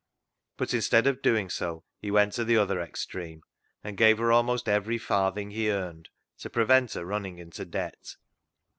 But instead of doing so, he went to the other extreme, and gave her almost every farthing he earned, to prevent her running into debt.